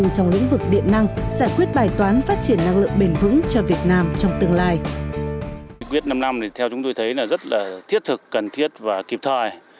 chúng tôi thấy rất thiết thực cần thiết và kịp thời